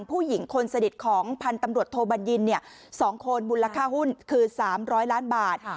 ผู้หญิงคนสนิทของพันธ์ตำรวจโทบัญญิน๒คนมูลค่าหุ้นคือ๓๐๐ล้านบาท